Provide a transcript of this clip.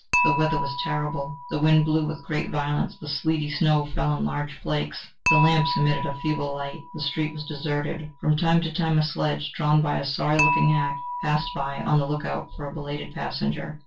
The weather was terrible; the wind blew with great violence; the sleety snow fell in large flakes; the lamps emitted a feeble light, the streets were deserted; from time to time a sledge, drawn by a sorry looking hack, passed by, on the look out for a belated passenger.